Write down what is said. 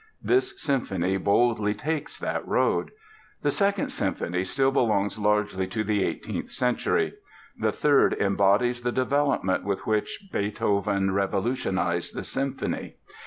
This symphony boldly takes that road. The Second Symphony still belongs largely to the eighteenth century. The Third embodies the developments with which Beethoven revolutionized the symphony.